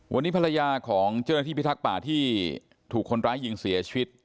วันนี้ภรรยาของเจ้าหน้าที่พิทักษ์ป่าที่ถูกคนร้ายยิงเสียชีวิต